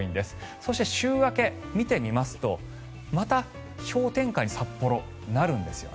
そして、週明け見てみますとまた、氷点下に札幌、なるんですよね。